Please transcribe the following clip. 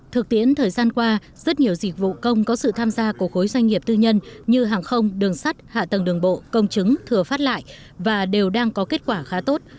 thực tiễn thời gian qua rất nhiều dịch vụ công có sự tham gia của khối doanh nghiệp tư nhân như hàng không đường sắt hạ tầng đường bộ công chứng thừa phát lại và đều đang có kết quả khá tốt